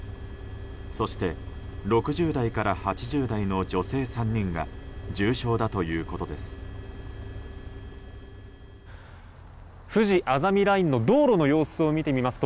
そして６０代から８０代の女性３人が重傷だということです。